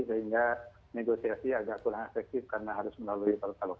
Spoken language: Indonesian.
sehingga negosiasi agak kurang efektif karena harus melalui talentalo